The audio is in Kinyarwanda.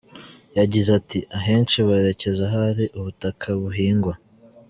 Yagize ati “Ahenshi berekeza ahari ubutaka buhingwa.